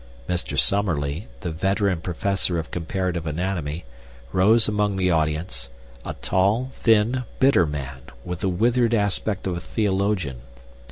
Mr. Summerlee, the veteran Professor of Comparative Anatomy, rose among the audience, a tall, thin, bitter man, with the withered aspect of a theologian.